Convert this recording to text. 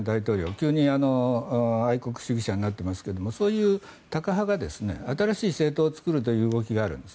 急に愛国主義者になっていますけどそういうタカ派が新しい政党を作るという動きがあるんです。